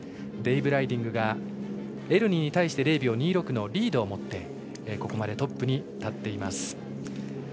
デイブ・ライディングがエルニに対して０秒２６のリードを持ってここまでトップに立っています。